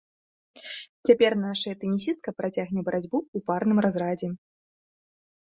Цяпер нашая тэнісістка працягне барацьбу ў парным разрадзе.